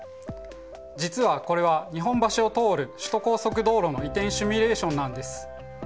実はこれは日本橋を通る首都高速道路の移転シミュレーションなんです。